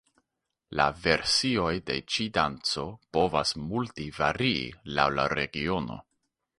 La versioj de ĉi danco povas multe varii laŭ la regiono.